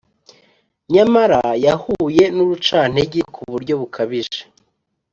nyamara yahuye n’urucantege ku buryo bukabije